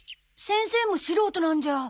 先生も素人なんじゃ。